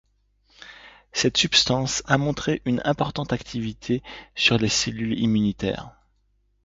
Cette substance a montré une importante activité sur les cellules immunitaires.